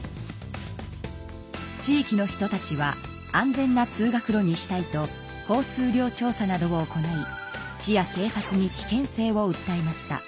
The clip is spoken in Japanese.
地域の人たちは安全な通学路にしたいと交通量調査などを行い市やけい察に危険性をうったえました。